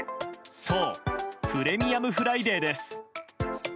そう、プレミアムフライデーです。